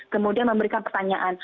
kemudian memberikan pertanyaan